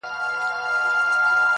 ډبري غورځوې تر شا لاسونه هم نيسې,